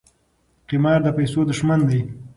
قمار د پیسو دښمن دی.